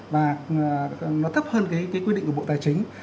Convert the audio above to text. và nó thấp hơn cái quy định của bộ tài chính